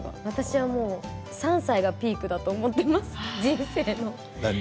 私は３歳がピークだと思っています、人生の。